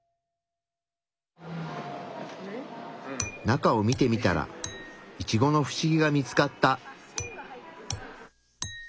中を見てみたらイチゴのフシギが見つかった。